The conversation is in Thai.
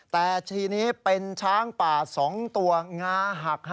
แต่ทีนี้เป็นช้างป่า๒ตัวงาหัก